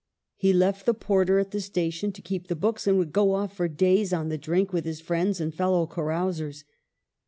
He left the porter at the station to keep the books, and would go off for days " on the drink " with his friends and fellow carousers.